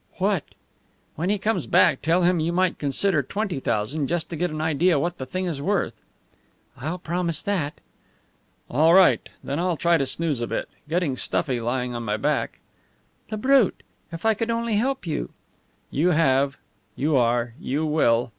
"What?" "When he comes back tell him you might consider twenty thousand, just to get an idea what the thing is worth." "I'll promise that." "All right. Then I'll try to snooze a bit. Getting stuffy lying on my back." "The brute! If I could only help you!" "You have you are you will!"